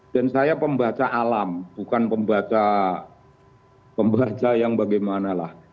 dan saya pembaca alam bukan pembaca yang bagaimana lah